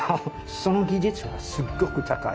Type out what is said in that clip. その技術がすっごく高い。